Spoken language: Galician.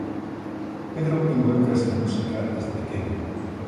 Pedro involúcrase na música desde pequeno.